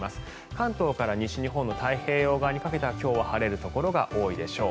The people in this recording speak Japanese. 関東から西日本の太平洋側にかけては今日は晴れるところが多いでしょう。